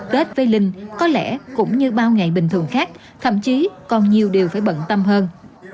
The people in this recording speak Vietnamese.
tết với linh có lẽ cũng như bao ngày bình thường khác thậm chí còn nhiều điều phải bận tâm hơn